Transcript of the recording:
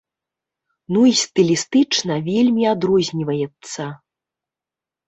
Ну, і стылістычна вельмі адрозніваецца.